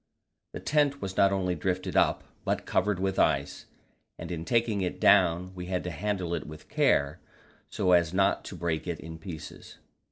The tent was not only drifted up, but covered with ice, and in taking it down we had to handle it with care. so as not to break it in pieces.